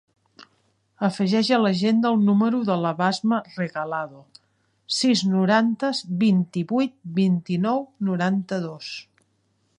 Afegeix a l'agenda el número de la Basma Regalado: sis, noranta, vint-i-vuit, vint-i-nou, noranta-dos.